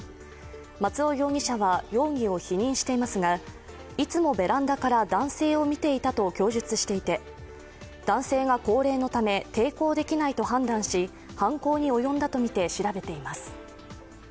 松尾容疑者は容疑を否認していますがいつもベランダから男性を見ていたと供述していて男性が高齢のため、抵抗できないと判断し犯行に及んだとみて調べています。